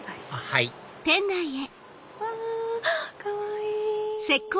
はいあっかわいい！